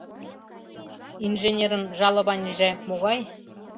Инженерын жалованьыже могай?